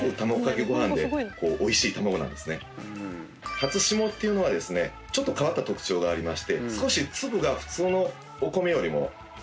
ハツシモっていうのはちょっと変わった特徴がありまして少し粒が普通のお米よりもおっきいんですね。